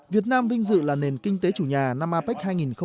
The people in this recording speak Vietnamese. việt nam vinh dự là nền kinh tế chủ nhà năm apec hai nghìn một mươi bảy